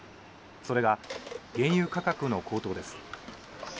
それが原油価格の高騰です。